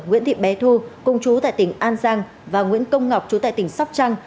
nguyễn thị bé thu công chú tại tỉnh an giang và nguyễn công ngọc chú tại tỉnh sóc trăng